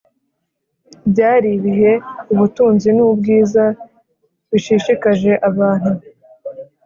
byari ibihe ubutunzi nubwiza bishishikaje abantu